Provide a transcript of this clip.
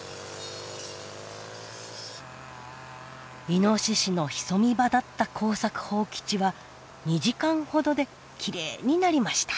イノシシの潜み場だった耕作放棄地は２時間ほどできれいになりました。